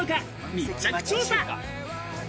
密着調査！